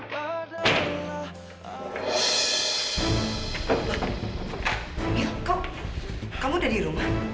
wah kok kamu udah di rumah